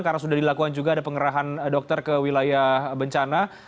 karena sudah dilakukan juga ada pengerahan dokter ke wilayah bencana